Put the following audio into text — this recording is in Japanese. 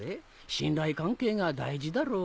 信頼関係が大事だろう。